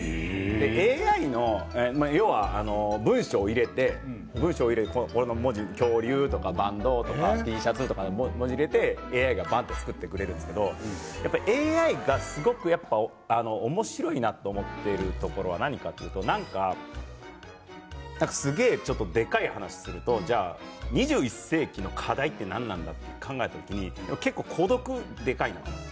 ＡＩの要は文章を入れて恐竜とかバンドとかＴシャツとかいう文字を入れてＡＩが作ってくれるんですけどＡＩがすごくおもしろいなと思っているところは何かというとすげえでっかい話をすると２１世紀の課題って何なんだと考えた時に孤独がでかいなと。